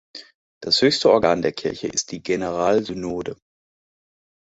Das höchste Organ der Kirche ist die Generalsynode.